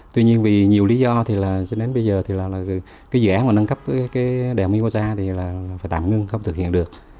tuy nhiên vì nhiều lý do dự án nâng cấp đèo mimosa phải tạm ngưng không thực hiện được